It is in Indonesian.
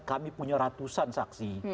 kami punya ratusan saksi